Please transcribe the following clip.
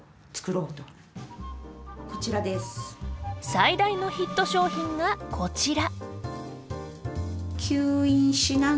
最大のヒット商品がこちら。